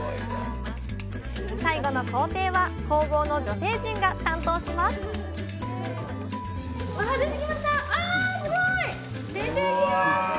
最後の工程は工房の女性陣が担当しますあ出てきました！